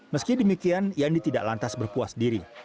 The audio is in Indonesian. meski demikian yandi tidak lantas berpuas diri